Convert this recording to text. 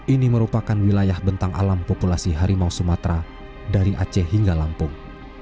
ini merupakan wilayah bentang alam populasi harimau sumatera dari aceh hingga lampung